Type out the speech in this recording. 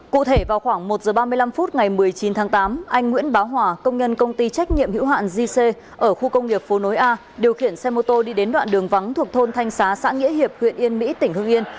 cụ thể vào khoảng một h ba mươi năm phút ngày một mươi chín tháng tám anh nguyễn báo hòa công nhân công ty trách nhiệm hữu hạn gc ở khu công nghiệp phố nối a điều khiển xe mô tô đi đến đoạn đường vắng thuộc thôn thanh xá xã nghĩa hiệp huyện yên mỹ tỉnh hương yên